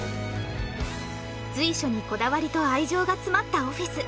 随所にこだわりと愛情が詰まったオフィス